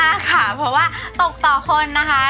เพราะว่าตกต่อคนนะคะ